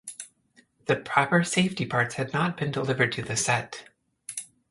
The proper safety parts had not been delivered to the set.